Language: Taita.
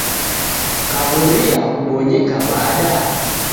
Kaw'uria, kubonyeka w'ada?